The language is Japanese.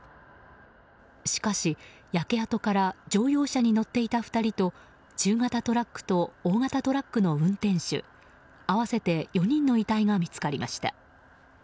しかし、焼け跡から乗用車に乗っていた２人と中型トラックと大型トラックの運転手合わせて４人の遺体が見つかりました。